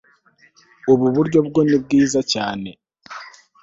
ubu buryo bwo ni bwiza cyane